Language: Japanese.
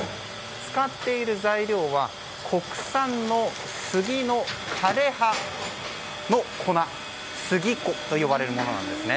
使っている材料は国産の杉の枯れ葉の粉杉粉と呼ばれるものです。